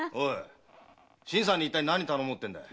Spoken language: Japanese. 新さんに一体何を頼もうってんだ？